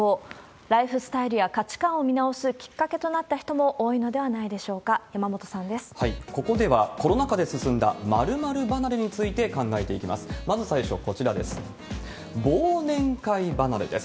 ライフスタイルや価値観を見直すきっかけとなった人も多いのではここでは、コロナ禍で進んだ○○離れについて考えていきます。